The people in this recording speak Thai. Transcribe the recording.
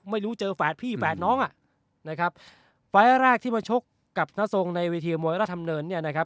ไม่รู้เจอแฝดพี่แฝดน้องอ่ะนะครับไฟล์แรกที่มาชกกับพระทรงในเวทีมวยราชดำเนินเนี่ยนะครับ